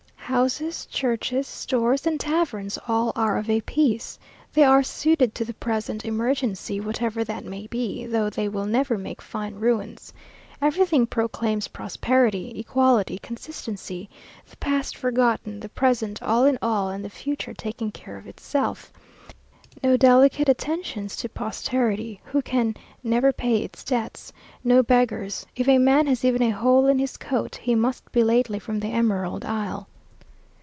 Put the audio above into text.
Houses, churches, stores, and taverns, all are of a piece. They are suited to the present emergency, whatever that may be, though they will never make fine ruins. Everything proclaims prosperity, equality, consistency; the past forgotten, the present all in all, and the future taking care of itself. No delicate attentions to posterity, who can never pay its debts. No beggars. If a man has even a hole in his coat, he must be lately from the Emerald Isle.